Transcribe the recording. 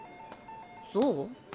そう？